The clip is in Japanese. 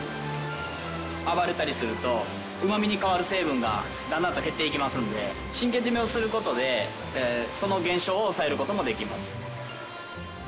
暴れたりするとうまみに変わる成分がだんだんと減っていきますので神経締めをする事でその現象を抑える事もできます。